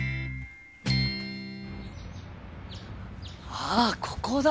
あっここだ！